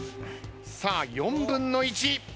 さあ４分の１。